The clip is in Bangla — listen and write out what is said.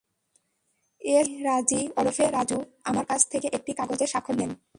এসআই রাজি ওরফে রাজু আমার কাছ থেকে একটি কাগজে স্বাক্ষর নেন।